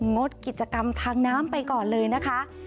งดกิจกรรมทางน้ำไปก่อนเลยนะคะ